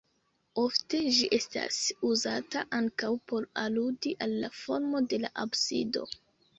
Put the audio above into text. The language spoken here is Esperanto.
Ofte, ĝi estas uzata ankaŭ por aludi al la formo de la absido.